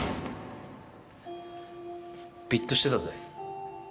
ビッとしてたぜ。